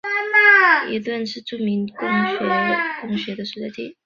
伊顿是著名的公学伊顿公学的所在地。